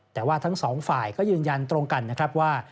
แต่ว่าทั้งสองฝ่ายก็ยืนยันตรงกันนะครับว่า